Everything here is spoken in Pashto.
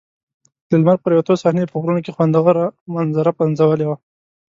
د لمر پرېوتو صحنې په غرونو کې خوندوره منظره پنځولې وه.